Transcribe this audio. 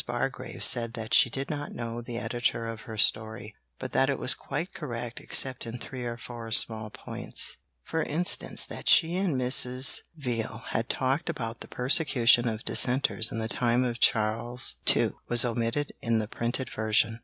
Bargrave said that she did not know the editor of her story, but that it was quite correct except in three or four small points; for instance, that she and Mrs. Veal had talked about the persecution of Dissenters in the time of Charles II. was omitted in the printed version.